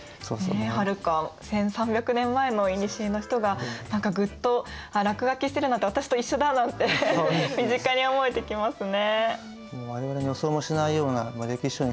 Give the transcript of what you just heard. はるか１，３００年前のいにしえの人が何かぐっと「あっ落書きしてるなんて私と一緒だ」なんて身近に思えてきますね。